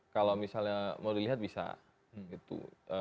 kalau misalnya mau dilihat bisa gitu